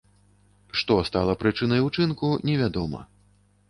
Што стала прычынай учынку, невядома.